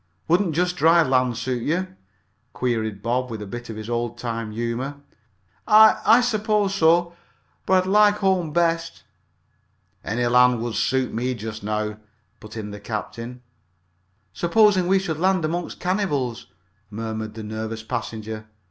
"Wouldn't just dry land suit you?" queried Bob, with a bit of his old time humor. "I I suppose so, but I'd like home best." "Any land would suit me just now," put in the captain. "Supposing we should land among cannibals!" murmured the nervous passenger.